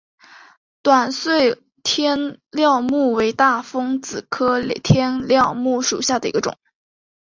短穗天料木为大风子科天料木属下的一个种。